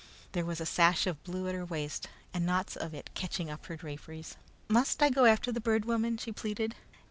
There was a sash of blue at her waist, and knots of it catching up her draperies. "Must I go after the Bird Woman?" she pleaded.